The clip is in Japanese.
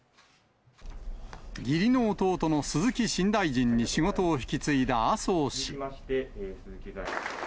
義理の弟の鈴木新大臣に仕事を引き継いだ麻生氏。